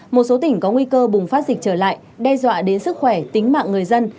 một số tỉnh có nguy cơ bùng phát dịch trở lại đe dọa đến sức khỏe tính mạng người dân